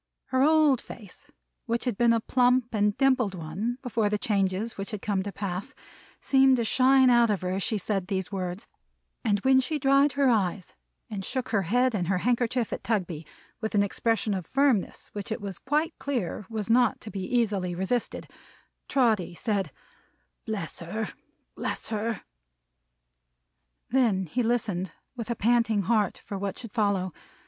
Her old face, which had been a plump and dimpled one before the changes which had come to pass, seemed to shine out of her as she said these words; and when she dried her eyes, and shook her head and her handkerchief at Tugby, with an expression of firmness which it was quite clear was not to be easily resisted, Trotty said, "Bless her! Bless her!" Then he listened, with a panting heart, for what should follow.